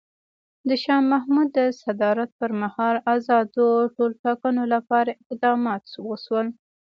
د شاه محمود د صدارت پر مهال ازادو ټولټاکنو لپاره اقدامات وشول.